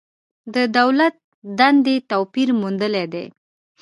د دولت دندې توپیر موندلی دی.